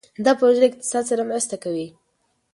دا پروژه له اقتصاد سره مرسته کوي.